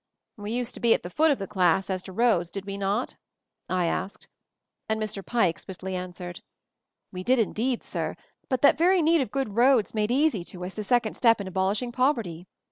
"We used to be at the foot of the class as to roads, did we not?" I asked; and Mr. Pike swiftly answered : "We did, indeed, sir. But that very need of good roads made easy to us the second step in abolishing poverty.